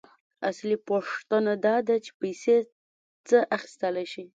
اصلي پوښتنه داده چې پیسې څه اخیستلی شي